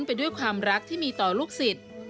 ไปด้วยความรักที่มีต่อลูกศิษย์